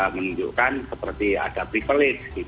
menunjukkan seperti ada privilege